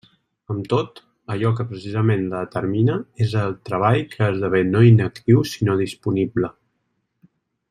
Amb tot, allò que precisament la determina és el treball que esdevé no inactiu sinó disponible.